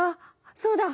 そうだ！